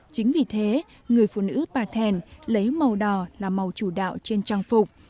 chính vì thế người phụ nữ bà thèn lấy màu đỏ là màu chủ đạo trên trang phục